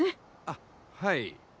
あっはい。